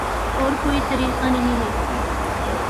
اور کوئی طریقہ نہیں ہے